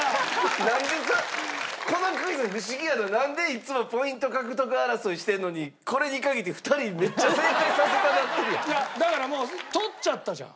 なんでこのクイズ不思議なのなんでいつもポイント獲得争いしてるのにこれに限って２人いやだからもう取っちゃったじゃん。